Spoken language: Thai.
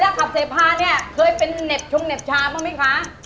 ถ้าขับเสพาเนี่ยเคยเป็นเหน็บชงเหน็บชาบ้างไหมคะ